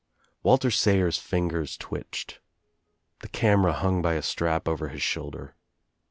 Walter Sayers' fingers twitched. The camera hung by a strap over his shoulder.